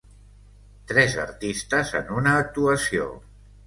Tres artistes en una actuació.